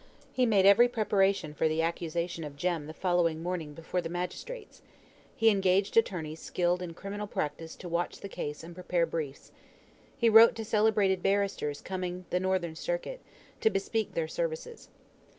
He made every preparation for the accusation of Jem the following morning before the magistrates: he engaged attorneys skilled in criminal practice to watch the case and prepare briefs; he wrote to celebrated barristers coming the Northern Circuit, to bespeak their services.